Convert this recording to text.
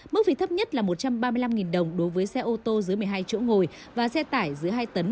mức phí thấp nhất là một trăm ba mươi năm đồng đối với xe ô tô dưới một mươi hai chỗ ngồi và xe tải dưới hai tấn